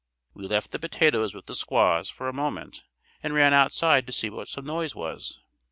We left the potatoes with the squaws for a moment and ran outside to see what some noise was.